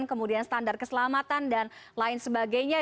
kemudian standar keselamatan dan lain sebagainya